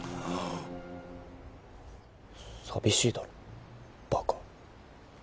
寂しいだろバカ。